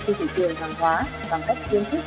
trên thị trường hàng hóa bằng cách kiến thức